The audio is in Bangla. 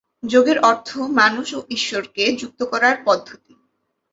যোগের অর্থ মানুষ ও ঈশ্বরকে যুক্ত করার পদ্ধতি।